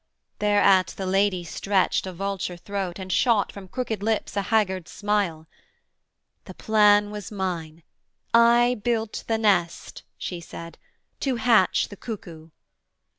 Thereat the Lady stretched a vulture throat, And shot from crooked lips a haggard smile. 'The plan was mine. I built the nest' she said 'To hatch the cuckoo.